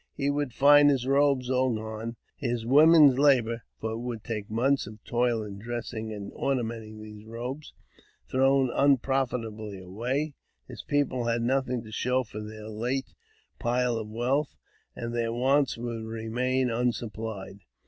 He would find his robes all gone ; his women's labour — for it would take months of toil in dressing and ornamenting these robes — thrown unprofitably away ; his people had nothing to show for their late pile of wealth, and their wants would remain unsupplied.